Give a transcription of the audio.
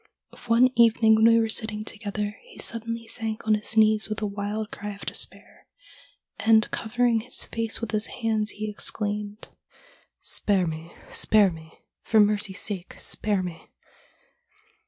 One evening when we were sitting together he suddenly sank on his knees with a wild cry of despair, and covering his face with his hands he exclaimed :" Spare me, spare me, for mercy's sake spare me!"